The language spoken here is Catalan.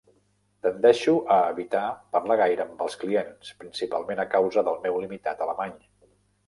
Tendeixo a evitar parlar gaire amb els clients, principalment a causa del meu limitat alemany.